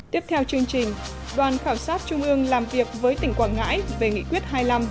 tiếp theo chương trình đoàn khảo sát trung ương làm việc với tỉnh quảng ngãi về nghị quyết hai mươi năm